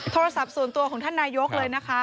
โทรศัพท์ส่วนตัวของท่านนายกเลยนะคะ